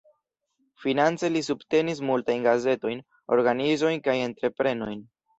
Finance li subtenis multajn gazetojn, organizojn kaj entreprenojn.